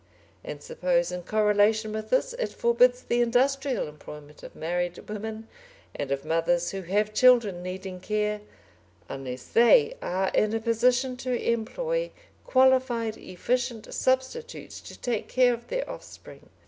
And suppose in correlation with this it forbids the industrial employment of married women and of mothers who have children needing care, unless they are in a position to employ qualified efficient substitutes to take care of their offspring.